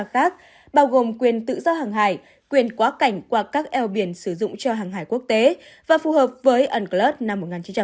các quốc gia khác bao gồm quyền tự do hàng hải quyền quá cảnh qua các eo biển sử dụng cho hàng hải quốc tế và phù hợp với unclus năm một nghìn chín trăm tám mươi hai